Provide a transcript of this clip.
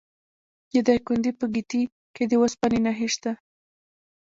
د دایکنډي په ګیتي کې د وسپنې نښې شته.